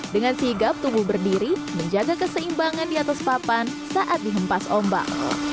dengan sigap tubuh berdiri menjaga keseimbangan di atas papan saat dihempas ombak